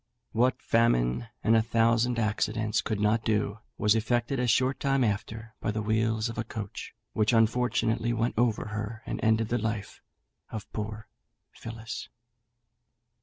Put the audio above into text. What famine and a thousand accidents could not do, was effected a short time after by the wheels of a coach, which unfortunately went over her, and ended the life of poor Phillis.